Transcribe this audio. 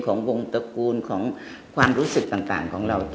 ของวงตระกูลของความรู้สึกต่างของเรา